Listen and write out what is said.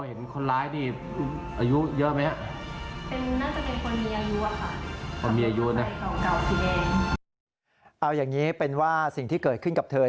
เอาอย่างนี้เป็นว่าสิ่งที่เกิดขึ้นกับเธอ